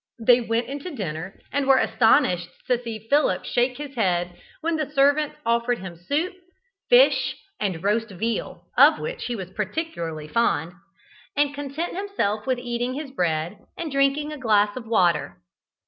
They went into dinner, and were astonished to see Philip shake his head when the servants offered him soup, fish, and roast veal (of which he was particularly fond) and content himself with eating his bread and drinking a glass of water.